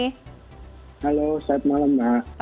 halo selamat malam mbak